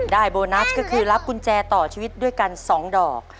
โบนัสก็คือรับกุญแจต่อชีวิตด้วยกัน๒ดอก